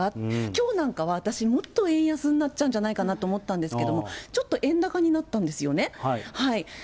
きょうなんかは、私、もっと円安になっちゃうんじゃないかなと思ったんですけれども、ちょっと円高になったんですよね。